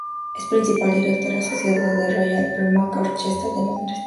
Es el principal director asociado de la Royal Philharmonic Orchestra de Londres.